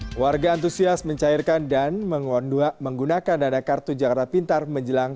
hai warga antusias mencairkan dan mengunduh menggunakan dana kartu jakarta pintar menjelang